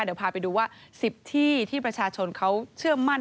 เดี๋ยวพาไปดูว่า๑๐ที่ที่ประชาชนเขาเชื่อมั่น